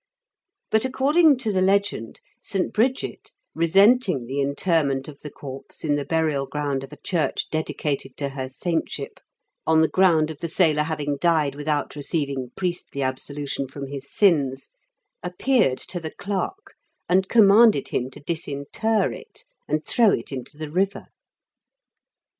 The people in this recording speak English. But, according to the legend, St. Bridget, resenting the interment of the corpse in the burial ground of a church dedicated to her saintship, on the ground of the sailor having died without receiving priestly absolution from his sins, appeared to the clerk, and commanded him to disinter it, and throw LEOEND OF SIR BOBEBT SHUBLAND. 67 it into the river.